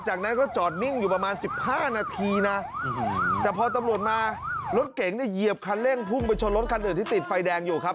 จากนั้นก็จอดนิ่งอยู่ประมาณ๑๕นาทีนะแต่พอตำรวจมารถเก๋งเนี่ยเหยียบคันเร่งพุ่งไปชนรถคันอื่นที่ติดไฟแดงอยู่ครับ